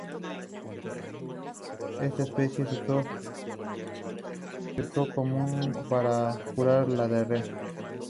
La categoría Set es completa y co-completa.